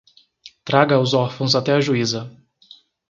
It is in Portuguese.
Traga os órfãos até a juíza